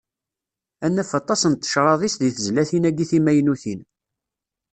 Ad naf aṭas n tecraḍ-is deg tezlatin-agi timaynutin.